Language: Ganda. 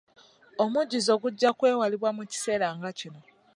Omujjuzo gujja kwewalibwa mu kiseera nga kino.